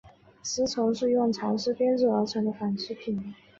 丝绸是用蚕丝编制而成的纺织品。